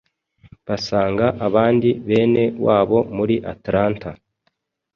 basanga abandi bene wabo muri Atlanta,